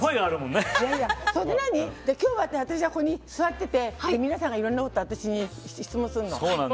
今日は私はここに座っていて皆さんがいろんなことを私に質問するの？